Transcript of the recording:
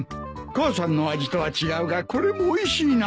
母さんの味とは違うがこれもおいしいな。